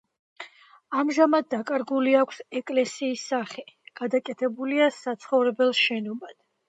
ამჟამად დაკარგული აქვს ეკლესიის სახე, გადაკეთებულია საცხოვრებელ შენობად.